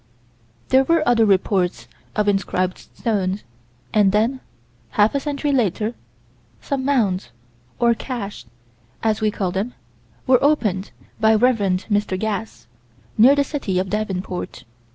There were other reports of inscribed stones, and then, half a century later, some mounds or caches, as we call them were opened by the Rev. Mr. Gass, near the city of Davenport.